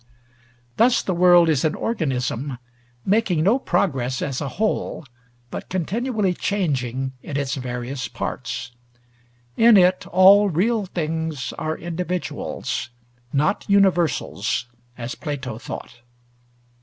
Thus the world is an organism, making no progress as a whole, but continually changing in its various parts. In it all real things are individuals, not universals, as Plato thought.